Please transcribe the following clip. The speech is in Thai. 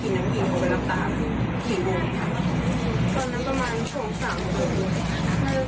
ผู้ชายคนที่เสร็จที่นี่